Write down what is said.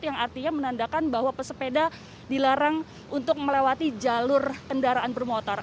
yang artinya menandakan bahwa pesepeda dilarang untuk melewati jalur kendaraan bermotor